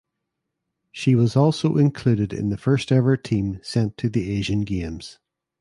She was also included in the first ever team sent to the Asian Games.